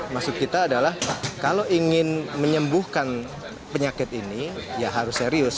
maksud kita adalah kalau ingin menyembuhkan penyakit ini ya harus serius